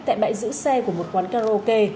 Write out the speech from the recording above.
tại bãi giữ xe của một quán karaoke